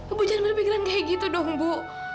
ibu jangan berpikiran kayak gitu dong bu